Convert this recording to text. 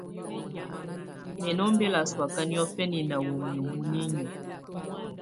Mɛ̀ nɔ̀ ɔmbela sɔ̀áka niɔ̀fɛna nà wamɛ̀á muninƴǝ́.